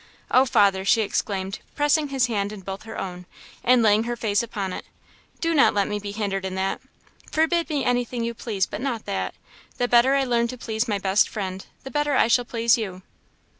Oh, father!" she exclaimed, pressing his hand in both her own, and laying her face upon it, "do not let me be hindered in that! forbid me anything you please, but not that! the better I learn to please my best Friend, the better I shall please you."